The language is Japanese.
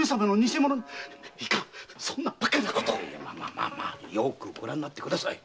まあまあよくご覧になってください。